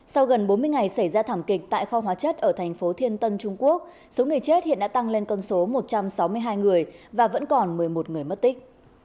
sau gần bốn mươi ngày xảy ra thảm kịch tại kho hóa chất ở thành phố thiên tân trung quốc số người chết hiện đã tăng lên con số một trăm sáu mươi hai người và vẫn còn một mươi một người mất tích